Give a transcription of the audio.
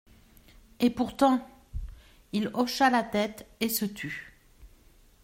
Et pourtant …» Il hocha la tête, et se tut.